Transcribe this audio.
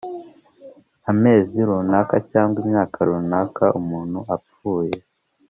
Amezi runaka cyangwa imyaka runaka umuntu apfuye